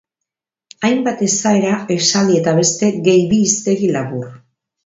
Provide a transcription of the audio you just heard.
Hainbat esaera, esaldi eta beste, gehi bi hiztegi labur.